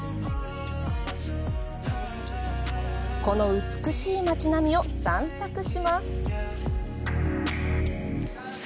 この美しい街並みを散策します。